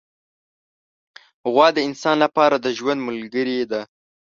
غوا د انسان له پاره د ژوند ملګرې ده.